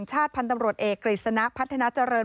กริจฉริชะนะพัทธนาเจริญ